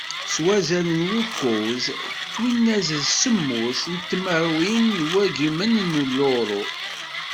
S wazal n wukuẓ n twinas d semmus n tmerwin n wagimen n luru.